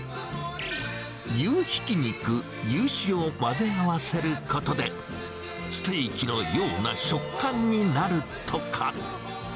牛ひき肉、牛脂を混ぜ合わせることで、ステーキのような食感になるとか。